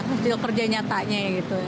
ke stil kerja nyatanya gitu